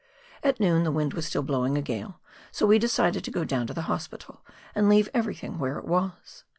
At noon the wind was still blowing a gale, so we decided to go down to the Hospital and leave everything where it was.